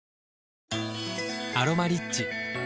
「アロマリッチ」